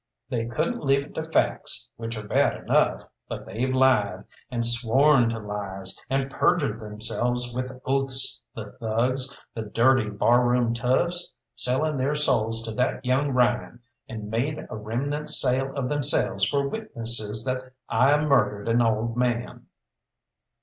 They couldn't leave it to facts, which are bad enough, but they've lied, and sworn to lies and perjured themselves with oaths, the thugs, the dirty bar room toughs, selling their souls to that young Ryan and made a remnant sale of themselves for witnesses that I murdered an old man!"